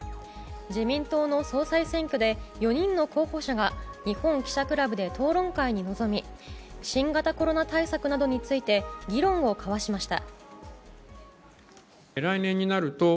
自民党の総裁選挙で４人の候補者が日本記者クラブで討論会に臨み新型コロナ対策などについて議論を交わしました。